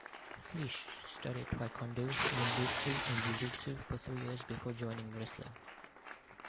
Fleisch studied Taekwondo, Ninjitsu and jujutsu for three years before joining wrestling.